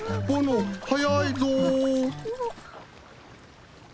ぼの速いぞ。